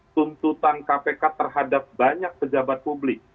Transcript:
tuntutan kpk terhadap banyak pejabat publik